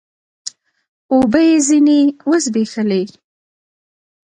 اوبه يې ځيني و زبېښلې